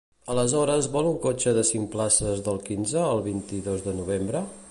Aleshores vol un cotxe de cinc places del quinze al vint-i-dos de novembre?